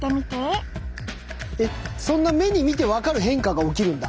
えっそんな目に見て分かる変化が起きるんだ。